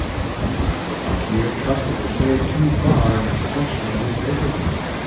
Sometimes a fakeer trusted a shade too far in the protection of his sacredness.